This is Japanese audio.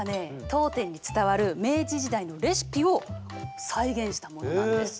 当店に伝わる明治時代のレシピを再現したものなんです。